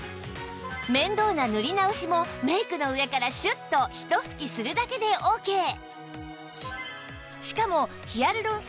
面倒な塗り直しもメイクの上からシュッとひと吹きするだけでオーケー